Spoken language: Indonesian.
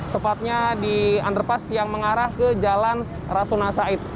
tepatnya di underpass yang mengarah ke jalan rasuna said